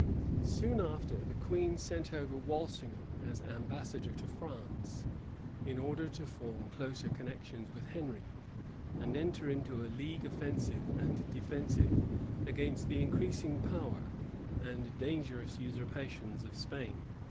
Soon after, the queen sent over Walsingham as ambassador to France, in order to form closer connections with Henry, and enter into a league offensive and defensive against the increasing power and dangerous usurpations of Spain.